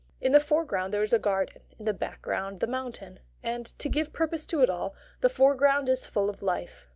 In the foreground there is a garden, in the background the mountain; and to give purpose to it all, the foreground is full of life.